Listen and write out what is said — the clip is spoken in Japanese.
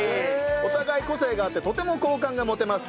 お互い個性があってとても好感が持てます。